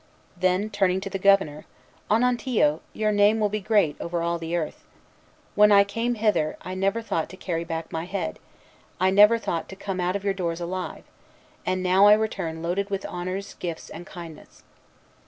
Then turning to the Governor, "Onontio, your name will be great over all the earth. When I came hither, I never thought to carry back my head, I never thought to come out of your doors alive; and now I return loaded with honors, gifts, and kindness."